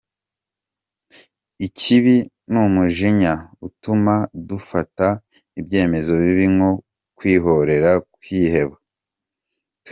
Ikibi numujinya utuma dufata ibyemezo bibi nko kwihorera, kwiheba,.